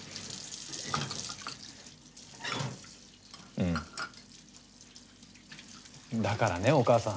うんだからねお母さん。